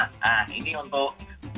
nah ini untuk